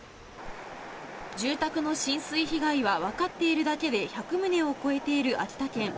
住宅の浸水被害は分かっているだけで１００棟を超えている秋田県。